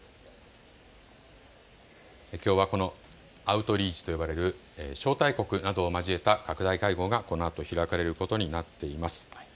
きょうは、このアウトリーチと呼ばれる招待国などを交えた拡大会合がこのあと開かれることになっています。